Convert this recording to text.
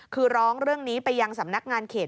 คือร้องเรื่องนี้ไปยังสำนักงานเขต